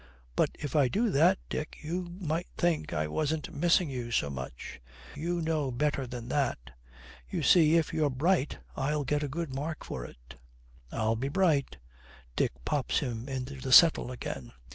'But, if I do that, Dick, you might think I wasn't missing you so much.' 'We know better than that. You see, if you're bright, I'll get a good mark for it.' 'I'll be bright.' Dick pops him into the settle again.